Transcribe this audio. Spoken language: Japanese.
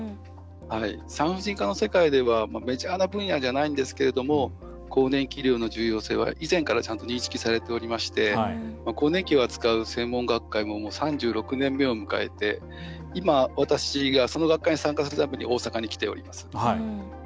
産婦人科の世界ではメジャーな分野じゃないんですけれども更年期医療の重要性は以前からちゃんと認識されておりまして更年期を扱う専門学会ももう３６年目を迎えて今、私がその学会に参加するために大阪に来ております。